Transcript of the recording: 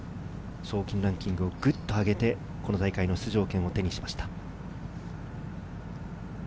賞金ランキングをグッと上げて、この大会の出場権を手にしました。